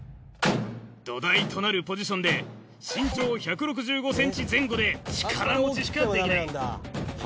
土台となるポジションで身長１６５ｃｍ前後で力持ちしかできない。